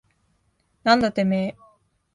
なんだてめえ。